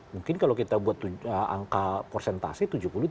mungkin kalau kita buat angka persentase tujuh puluh tiga